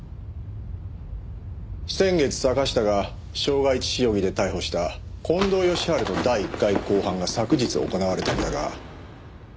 先月坂下が傷害致死容疑で逮捕した近藤義治の第１回公判が昨日行われたんだが。